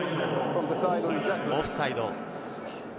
オフサイド。